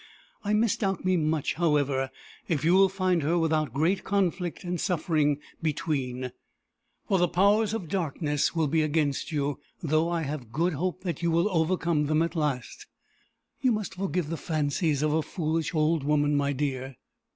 I misdoubt me much, however, if you will find her without great conflict and suffering between, for the Powers of Darkness will be against you; though I have good hope that you will overcome at last. You must forgive the fancies of a foolish old woman, my dear."